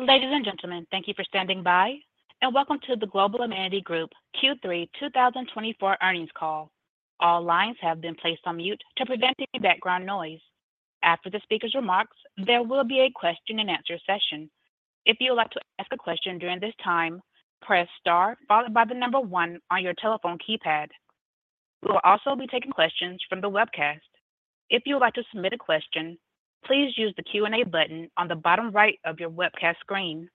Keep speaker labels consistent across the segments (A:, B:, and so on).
A: Ladies and gentlemen, thank you for standing by, and welcome to the Global Indemnity Group Q3 2024 earnings call. All lines have been placed on mute to prevent any background noise. After the speaker's remarks, there will be a question-and-answer session. If you would like to ask a question during this time, press star followed by the number one on your telephone keypad. We will also be taking questions from the webcast. If you would like to submit a question, please use the Q&A button on the bottom right of your webcast screen.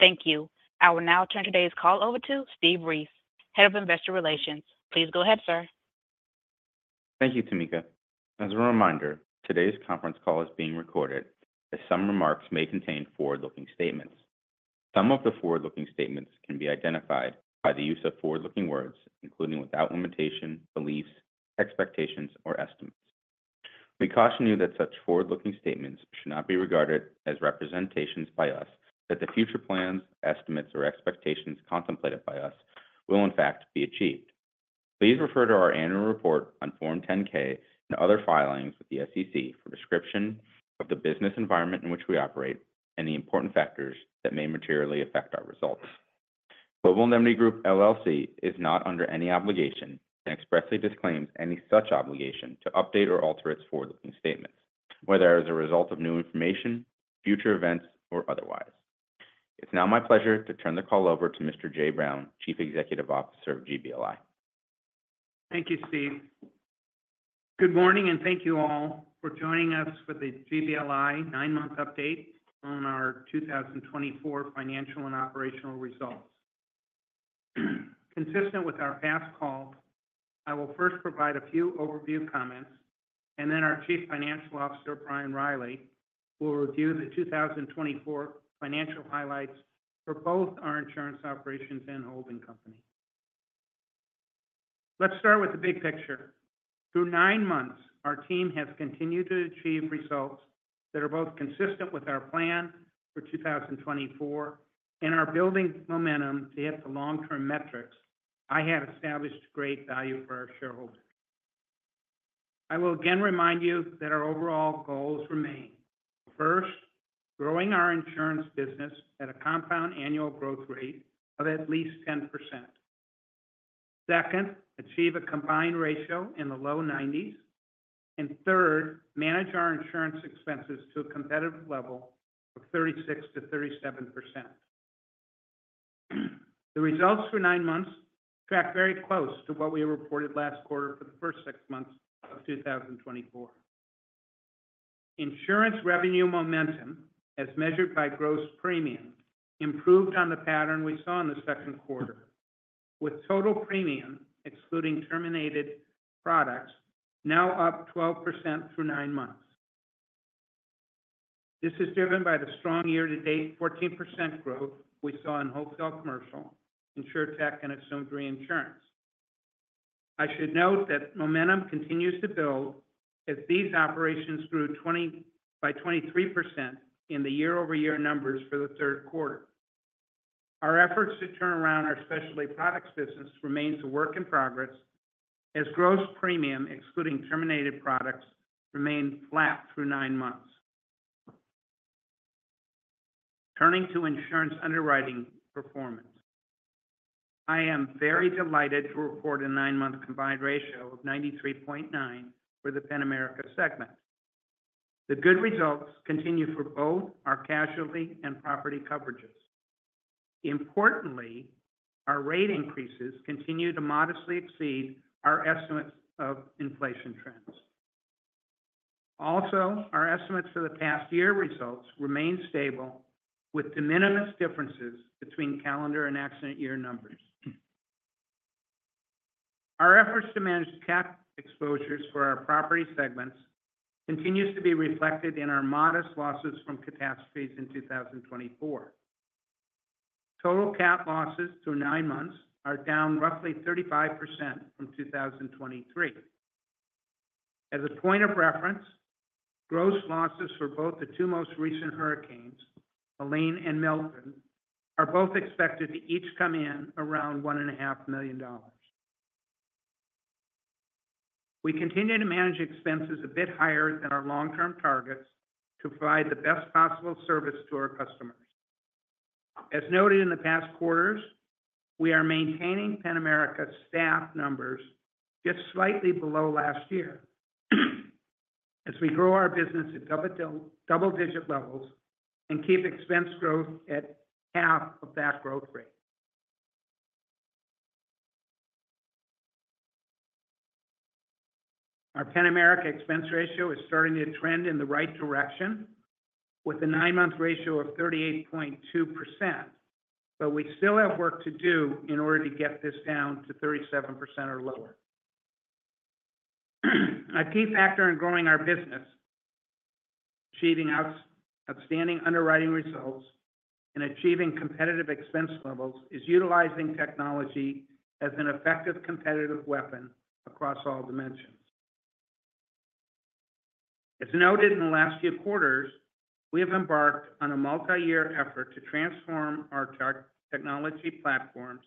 A: Thank you. I will now turn today's call over to Stephen Ries, Head of Investor Relations. Please go ahead, sir.
B: Thank you, Tamika. As a reminder, today's conference call is being recorded, as some remarks may contain forward-looking statements. Some of the forward-looking statements can be identified by the use of forward-looking words, including without limitation, beliefs, expectations, or estimates. We caution you that such forward-looking statements should not be regarded as representations by us, that the future plans, estimates, or expectations contemplated by us will, in fact, be achieved. Please refer to our annual report on Form 10-K and other filings with the SEC for description of the business environment in which we operate and the important factors that may materially affect our results. Global Indemnity Group, LLC is not under any obligation and expressly disclaims any such obligation to update or alter its forward-looking statements, whether as a result of new information, future events, or otherwise. It's now my pleasure to turn the call over to Mr. Jay Brown, Chief Executive Officer of GBLI.
C: Thank you, Stephen. Good morning, and thank you all for joining us for the GBLI nine-month update on our 2024 financial and operational results. Consistent with our past calls, I will first provide a few overview comments, and then our Chief Financial Officer, Brian Riley, will review the 2024 financial highlights for both our insurance operations and holding company. Let's start with the big picture. Through nine months, our team has continued to achieve results that are both consistent with our plan for 2024 and are building momentum to hit the long-term metrics I have established great value for our shareholders. I will again remind you that our overall goals remain: first, growing our insurance business at a compound annual growth rate of at least 10%; second, achieve a combined ratio in the low 90s; and third, manage our insurance expenses to a competitive level of 36%-37%. The results for nine months track very close to what we reported last quarter for the first six months of 2024. Insurance revenue momentum, as measured by gross premium, improved on the pattern we saw in the second quarter, with total premium, excluding terminated products, now up 12% through nine months. This is driven by the strong year-to-date 14% growth we saw in wholesale commercial, InsurTech, and assumed reinsurance. I should note that momentum continues to build as these operations grew by 23% in the year-over-year numbers for the third quarter. Our efforts to turn around our specialty products business remains a work in progress, as gross premium, excluding terminated products, remained flat through nine months. Turning to insurance underwriting performance, I am very delighted to report a nine-month combined ratio of 93.9 for the Penn-America segment. The good results continue for both our casualty and property coverages. Importantly, our rate increases continue to modestly exceed our estimates of inflation trends. Also, our estimates for the past year results remain stable, with de minimis differences between calendar and accident year numbers. Our efforts to manage cap exposures for our property segments continue to be reflected in our modest losses from catastrophes in 2024. Total cap losses through nine months are down roughly 35% from 2023. As a point of reference, gross losses for both the two most recent hurricanes, Helene and Milton, are both expected to each come in around $1.5 million. We continue to manage expenses a bit higher than our long-term targets to provide the best possible service to our customers. As noted in the past quarters, we are maintaining Penn-America staff numbers just slightly below last year as we grow our business at double-digit levels and keep expense growth at half of that growth rate. Our Penn-America expense ratio is starting to trend in the right direction, with a nine-month ratio of 38.2%, but we still have work to do in order to get this down to 37% or lower. A key factor in growing our business, achieving outstanding underwriting results, and achieving competitive expense levels is utilizing technology as an effective competitive weapon across all dimensions. As noted in the last few quarters, we have embarked on a multi-year effort to transform our technology platforms,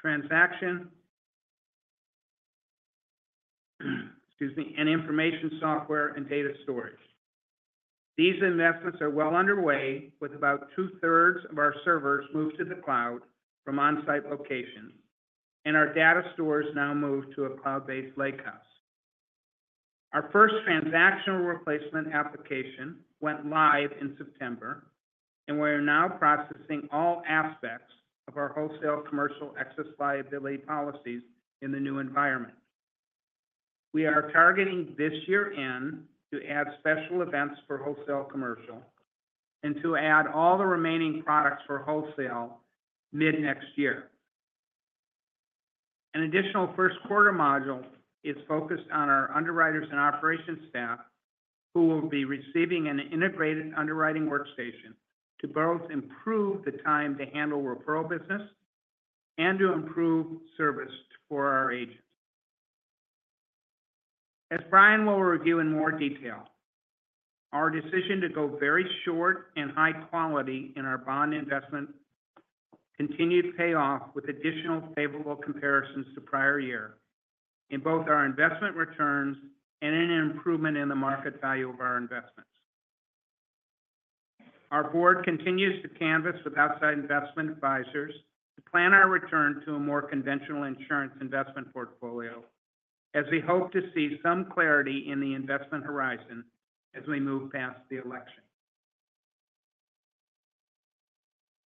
C: transaction, excuse me, and information software and data storage. These investments are well underway, with about two-thirds of our servers moved to the cloud from on-site locations, and our data stores now moved to a cloud-based lakehouse. Our first transactional replacement application went live in September, and we are now processing all aspects of our wholesale commercial excess liability policies in the new environment. We are targeting this year into add special events for wholesale commercial and to add all the remaining products for wholesale mid-next year. An additional first-quarter module is focused on our underwriters and operations staff, who will be receiving an integrated underwriting workstation to both improve the time to handle referral business and to improve service for our agents. As Brian will review in more detail, our decision to go very short and high quality in our bond investment continued to pay off with additional favorable comparisons to prior year in both our investment returns and an improvement in the market value of our investments. Our board continues to canvass with outside investment advisors to plan our return to a more conventional insurance investment portfolio, as we hope to see some clarity in the investment horizon as we move past the election.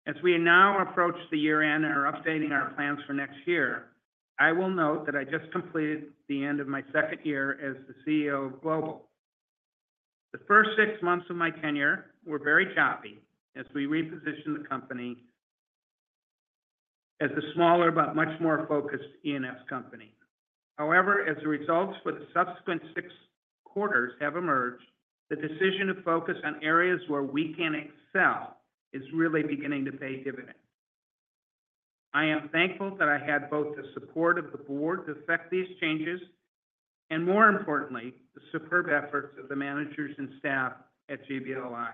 C: As we now approach the year-end and are updating our plans for next year, I will note that I just completed the end of my second year as the CEO of Global. The first six months of my tenure were very choppy as we repositioned the company as a smaller but much more focused E&S company. However, as the results for the subsequent six quarters have emerged, the decision to focus on areas where we can excel is really beginning to pay dividends. I am thankful that I had both the support of the board to effect these changes and, more importantly, the superb efforts of the managers and staff at GBLI.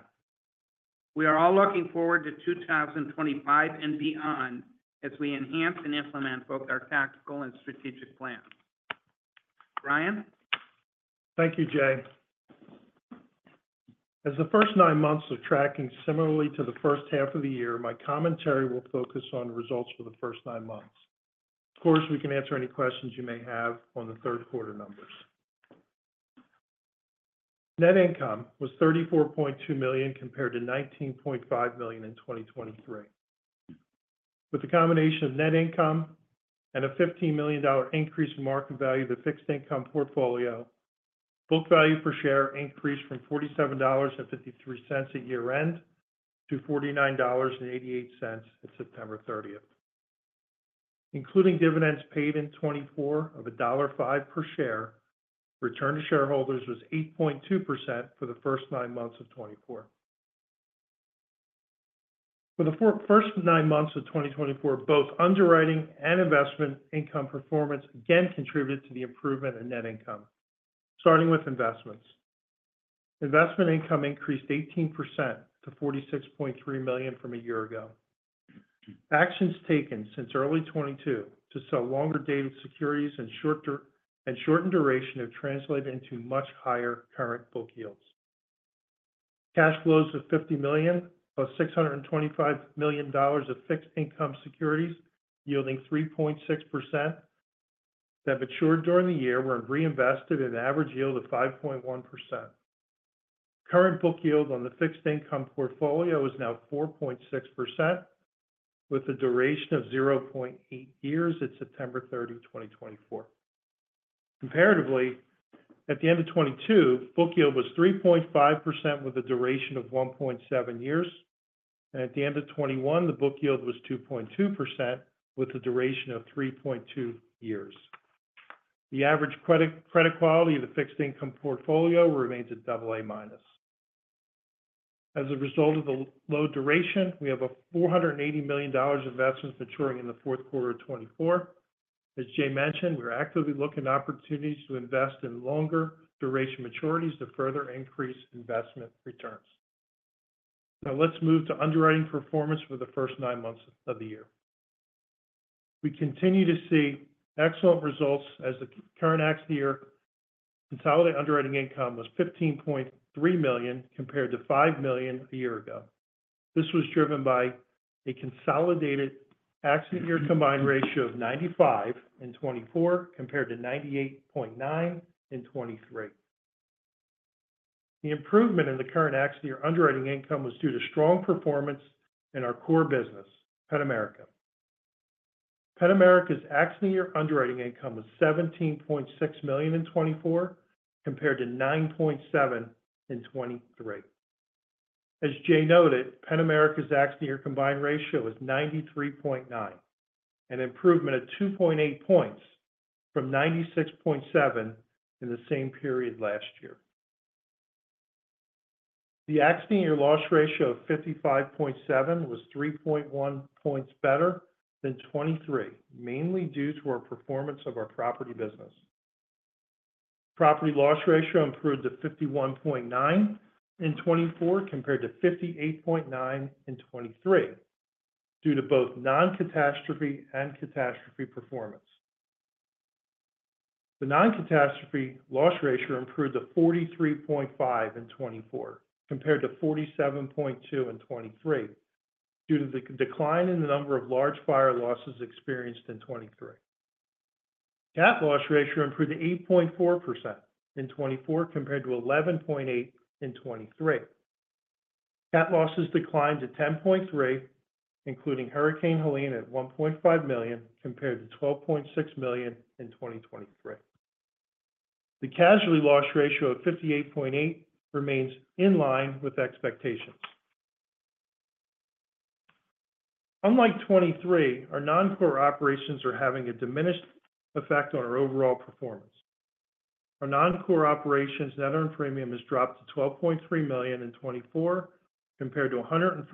C: We are all looking forward to 2025 and beyond as we enhance and implement both our tactical and strategic plans. Brian?
D: Thank you, Jay. As the first nine months are tracking similarly to the first half of the year, my commentary will focus on results for the first nine months. Of course, we can answer any questions you may have on the third-quarter numbers. Net income was $34.2 million compared to $19.5 million in 2023. With a combination of net income and a $15 million increase in market value of the fixed income portfolio, book value per share increased from $47.53 at year-end to $49.88 at September 30th. Including dividends paid in 2024 of $1.05 per share, return to shareholders was 8.2% for the first nine months of 2024. For the first nine months of 2024, both underwriting and investment income performance again contributed to the improvement in net income, starting with investments. Investment income increased 18% to $46.3 million from a year ago. Actions taken since early 2022 to sell longer-dated securities and shortened duration have translated into much higher current book yields. Cash flows of $50 million plus $625 million of fixed income securities yielding 3.6% that matured during the year were reinvested at an average yield of 5.1%. Current book yield on the fixed income portfolio is now 4.6%, with a duration of 0.8 years at September 30, 2024. Comparatively, at the end of 2022, book yield was 3.5% with a duration of 1.7 years, and at the end of 2021, the book yield was 2.2% with a duration of 3.2 years. The average credit quality of the fixed income portfolio remains at double A minus. As a result of the low duration, we have a $480 million investment maturing in the fourth quarter of 2024. As Jay mentioned, we're actively looking at opportunities to invest in longer-duration maturities to further increase investment returns. Now, let's move to underwriting performance for the first nine months of the year. We continue to see excellent results as the current accident year consolidated underwriting income was $15.3 million compared to $5 million a year ago. This was driven by a consolidated accident year combined ratio of 95% in 2024 compared to 98.9% in 2023. The improvement in the current accident year underwriting income was due to strong performance in our core business, Penn-America. Penn-America's accident year underwriting income was $17.6 million in 2024 compared to $9.7 million in 2023. As Jay noted, Penn-America's accident year combined ratio was 93.9%, an improvement of 2.8 points from 96.7% in the same period last year. The accident year loss ratio of 55.7% was 3.1 points better than 2023, mainly due to our performance of our property business. Property loss ratio improved to 51.9% in 2024 compared to 58.9% in 2023 due to both non-catastrophe and catastrophe performance. The non-catastrophe loss ratio improved to 43.5% in 2024 compared to 47.2% in 2023 due to the decline in the number of large fire losses experienced in 2023. Catastrophe loss ratio improved to 8.4% in 2024 compared to 11.8% in 2023. Catastrophe losses declined to $10.3 million, including Hurricane Helene at $1.5 million compared to $12.6 million in 2023. The casualty loss ratio of 58.8% remains in line with expectations. Unlike 2023, our non-core operations are having a diminished effect on our overall performance. Our non-core operations net earned premium has dropped to $12.3 million in 2024 compared to $114.2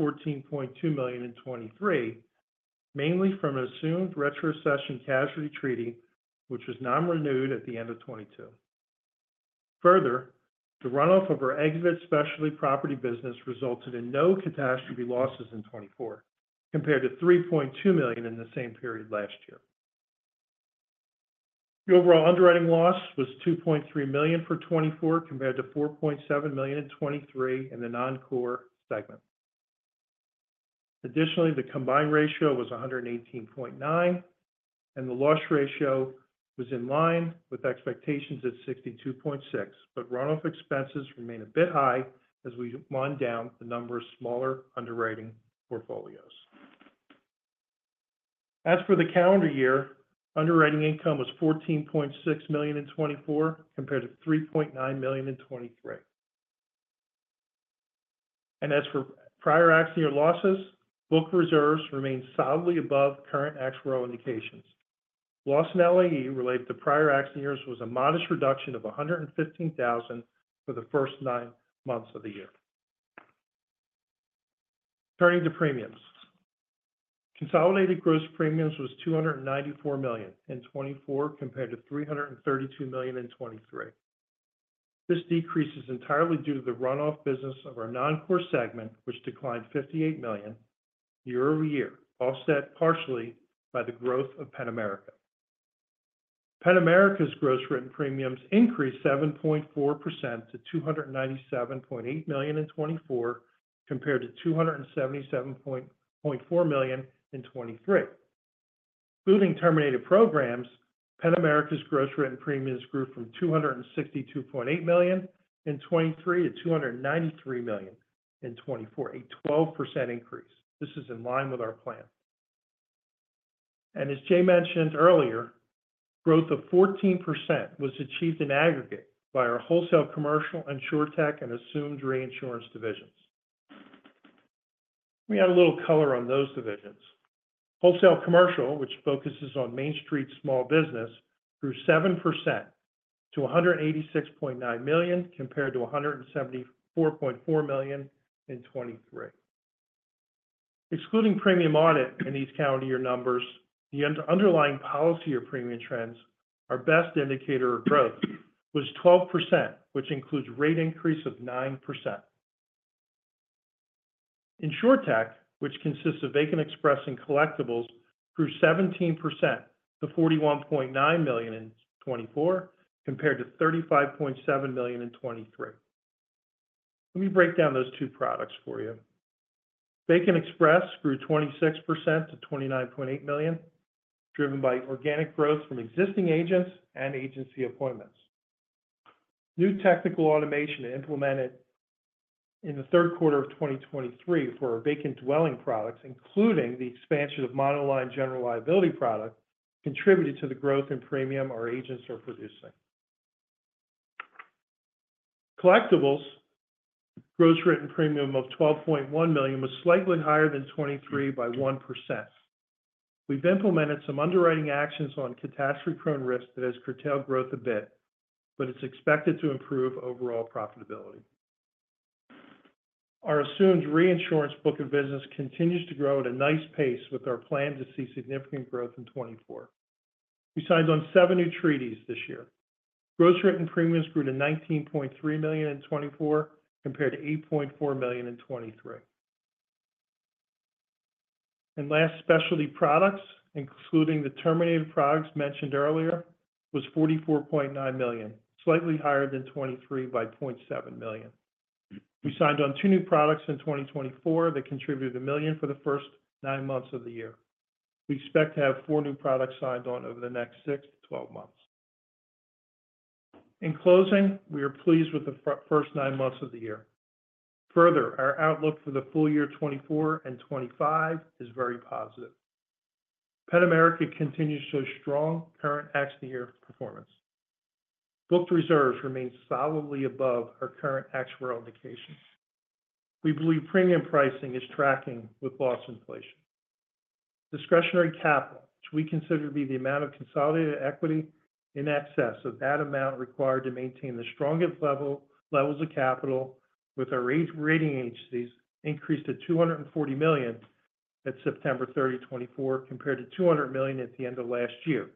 D: million in 2023, mainly from an assumed retrocession casualty treaty, which was non-renewed at the end of 2022. Further, the runoff of our exited specialty property business resulted in no catastrophe losses in 2024 compared to $3.2 million in the same period last year. The overall underwriting loss was $2.3 million for 2024 compared to $4.7 million in 2023 in the non-core segment. Additionally, the combined ratio was 118.9, and the loss ratio was in line with expectations at 62.6, but runoff expenses remain a bit high as we wind down the number of smaller underwriting portfolios. As for the calendar year, underwriting income was $14.6 million in 2024 compared to $3.9 million in 2023. As for prior accident year losses, book reserves remain solidly above current actual indications. Losses and LAE related to prior accident years was a modest reduction of $115,000 for the first nine months of the year. Turning to premiums, consolidated gross premiums was $294 million in 2024 compared to $332 million in 2023. This decrease is entirely due to the runoff business of our non-core segment, which declined $58 million year over year, offset partially by the growth of Penn-America. Penn-America's gross written premiums increased 7.4% to $297.8 million in 2024 compared to $277.4 million in 2023. Excluding terminated programs, Penn-America's gross written premiums grew from $262.8 million in 2023 to $293 million in 2024, a 12% increase. This is in line with our plan. As Jay mentioned earlier, growth of 14% was achieved in aggregate by our Wholesale Commercial and InsurTech and Assumed Reinsurance divisions. We add a little color on those divisions. Wholesale Commercial, which focuses on Main Street small business, grew 7% to $186.9 million compared to $174.4 million in 2023. Excluding premium audit in these calendar year numbers, the underlying policy or premium trends, our best indicator of growth was 12%, which includes rate increase of 9%. In InsurTech, which consists of Vacant Express and Collectibles, grew 17% to $41.9 million in 2024 compared to $35.7 million in 2023. Let me break down those two products for you. Vacant Express grew 26% to $29.8 million, driven by organic growth from existing agents and agency appointments. New technical automation implemented in the third quarter of 2023 for our vacant dwelling products, including the expansion of Monoline General Liability product, contributed to the growth in premium our agents are producing. Collectibles, gross written premium of $12.1 million was slightly higher than 2023 by 1%. We've implemented some underwriting actions on catastrophe-prone risk that has curtailed growth a bit, but it's expected to improve overall profitability. Our assumed reinsurance book of business continues to grow at a nice pace with our plan to see significant growth in 2024. We signed on seven new treaties this year. Gross written premiums grew to $19.3 million in 2024 compared to $8.4 million in 2023. And lastly, specialty products, including the terminated products mentioned earlier, was $44.9 million, slightly higher than 2023 by $0.7 million. We signed on two new products in 2024 that contributed $1 million for the first nine months of the year. We expect to have four new products signed on over the next six to 12 months. In closing, we are pleased with the first nine months of the year. Further, our outlook for the full year 2024 and 2025 is very positive. Penn-America continues to show strong current accident year performance. Booked reserves remain solidly above our current actual indications. We believe premium pricing is tracking with loss inflation. Discretionary capital, which we consider to be the amount of consolidated equity in excess of that amount required to maintain the strongest levels of capital with our rating agencies, increased to $240 million at September 30, 2024 compared to $200 million at the end of last year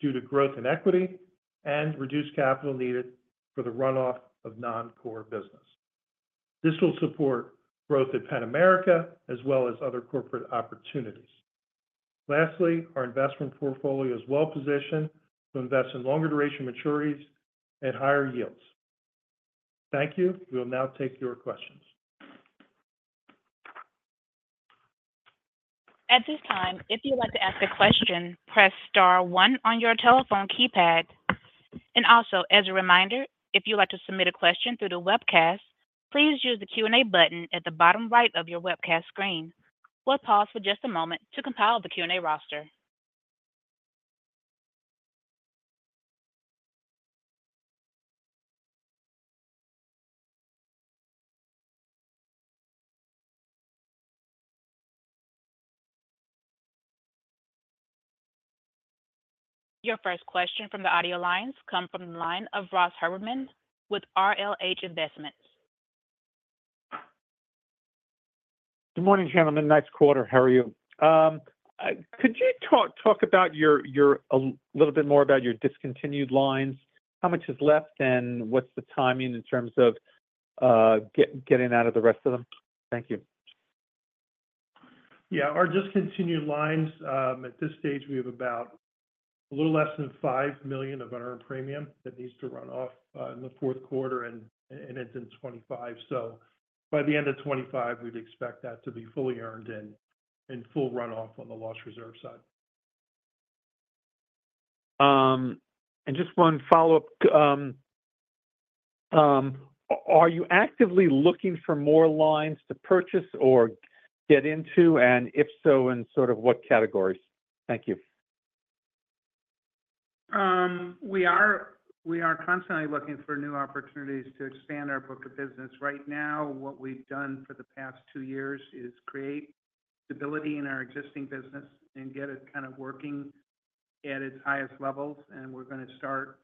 D: due to growth in equity and reduced capital needed for the runoff of non-core business. This will support growth at Penn-America as well as other corporate opportunities. Lastly, our investment portfolio is well-positioned to invest in longer-duration maturities at higher yields. Thank you. We will now take your questions.
A: At this time, if you'd like to ask a question, press star 1 on your telephone keypad. And also, as a reminder, if you'd like to submit a question through the webcast, please use the Q&A button at the bottom right of your webcast screen. We'll pause for just a moment to compile the Q&A roster. Your first question from the audio lines comes from the line of Ross Haberman with RLH Investments.
E: Good morning, gentlemen. Nice quarter. How are you? Could you talk a little bit more about your discontinued lines? How much is left, and what's the timing in terms of getting out of the rest of them? Thank you.
D: Yeah. Our discontinued lines, at this stage, we have about a little less than $5 million of our earned premium that needs to run off in the fourth quarter, and it's in 2025. So by the end of 2025, we'd expect that to be fully earned and full runoff on the loss reserve side.
E: And just one follow-up. Are you actively looking for more lines to purchase or get into? And if so, in sort of what categories? Thank you.
C: We are constantly looking for new opportunities to expand our book of business. Right now, what we've done for the past two years is create stability in our existing business and get it kind of working at its highest levels, and we're going to start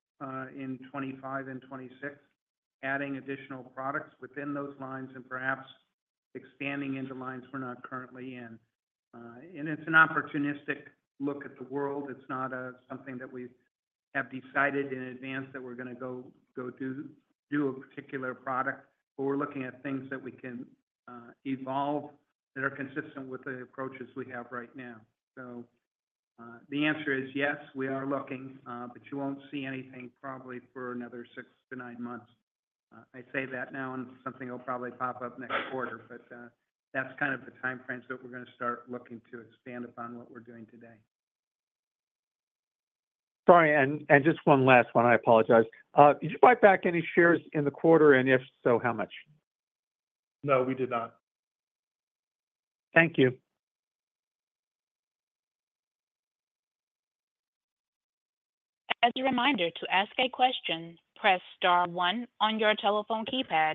C: in 2025 and 2026 adding additional products within those lines and perhaps expanding into lines we're not currently in, and it's an opportunistic look at the world. It's not something that we have decided in advance that we're going to go do a particular product, but we're looking at things that we can evolve that are consistent with the approaches we have right now, so the answer is yes, we are looking, but you won't see anything probably for another six to nine months. I say that now, and something will probably pop up next quarter, but that's kind of the timeframes that we're going to start looking to expand upon what we're doing today.
E: Sorry. And just one last one. I apologize. Did you buy back any shares in the quarter? And if so, how much?
D: No, we did not.
E: Thank you.
A: As a reminder, to ask a question, press star 1 on your telephone keypad.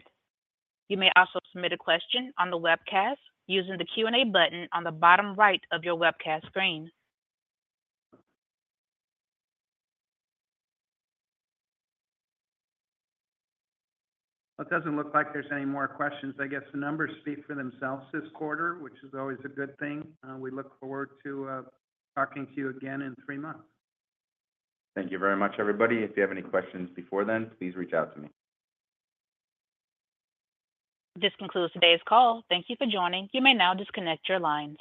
A: You may also submit a question on the webcast using the Q&A button on the bottom right of your webcast screen.
C: It doesn't look like there's any more questions. I guess the numbers speak for themselves this quarter, which is always a good thing. We look forward to talking to you again in three months.
B: Thank you very much, everybody. If you have any questions before then, please reach out to me.
A: This concludes today's call. Thank you for joining. You may now disconnect your lines.